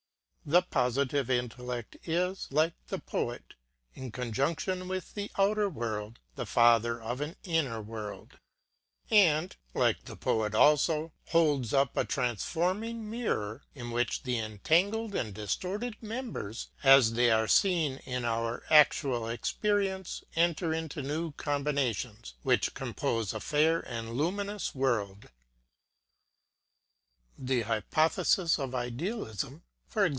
The positive intellect is, like the poet, in conjunction with the outer world, the father of an inner world; and, like the poet also, holds up a transforming mirror in which the entangled and distorted members as they are seen in our actual experience enter into new combinations which compose a fair and luminous world: the hypothesis of Idealism (i. e.